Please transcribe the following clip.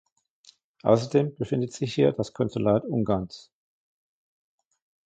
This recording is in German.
Außerdem befindet sich hier das Konsulat Ungarns.